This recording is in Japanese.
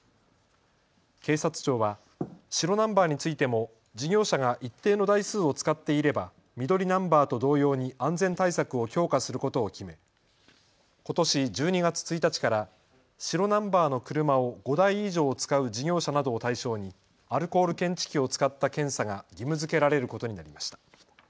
警察庁は白ナンバーについても事業者が一定の台数を使っていれば緑ナンバーと同様に安全対策を強化することを決めことし１２月１日から白ナンバーの車を５台以上使う事業者などを対象にアルコール検知器を使った検査が義務づけられることになりました。